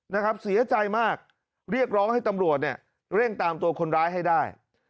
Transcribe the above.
นะครับเสียใจมากเรียกร้องให้ตำรวจเนี่ยเร่งตามตัวคนร้ายให้ได้